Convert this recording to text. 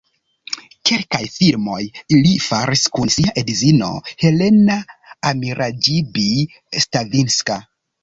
Kelkaj filmoj li faris kun sia edzino Helena Amiraĝibi-Stavinska.